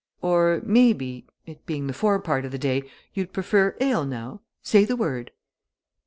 Or, maybe, it being the forepart of the day, you'd prefer ale, now? Say the word!"